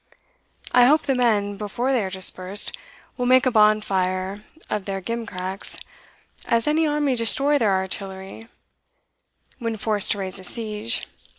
"I hope the men, before they are dispersed, will make a bonfire of their gimcracks, as an army destroy their artillery when forced to raise a siege.